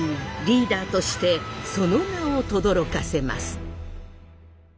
リーダーとしてその名をとどろかせます。